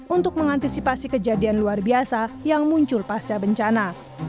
untuk mengantisipasi kejadian luar biasa yang muncul pasca bencana